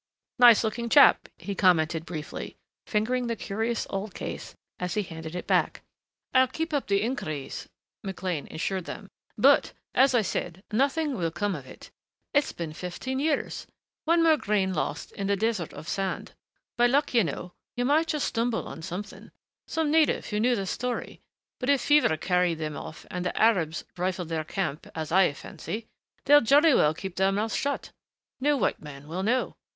"Nice looking chap," he commented briefly, fingering the curious old case as he handed it back. "I'll keep up the inquiries," McLean assured them, "but, as I said, nothing will come of it.... It's been fifteen years. One more grain lost in the desert of sand.... By luck, you know, you might just stumble on something, some native who knew the story, but if fever carried them off and the Arabs rifled their camp, as I fancy, they'll jolly well keep their mouths shut. No white man will know....